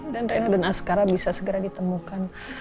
dan rena dan askara bisa segera ditemukan